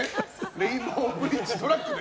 レインボーブリッジをトラックで？